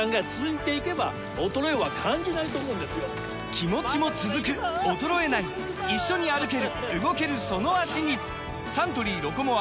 気持ちも続く衰えない一緒に歩ける動けるその脚にサントリー「ロコモア」！